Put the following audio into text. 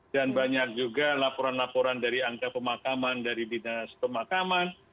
dan banyak juga laporan laporan dari angka pemakaman dari dinas pemakaman